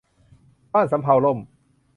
บ้านสำเภาล่ม